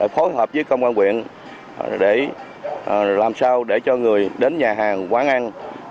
phối hợp với công an quyện để làm sao để cho người đến nhà hàng quán ăn